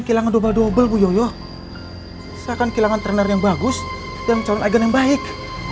kehilangan double double bu yoyo saya akan kehilangan trainer yang bagus dan calon agen yang baik